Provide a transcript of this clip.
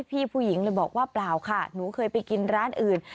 ผู้หญิงเลยบอกว่าเปล่าค่ะหนูเคยไปกินร้านอื่น